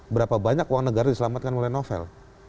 berapa banyak uang negara diselamatkan oleh novel